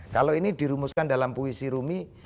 kalau ini dirumuskan dalam puisi rumi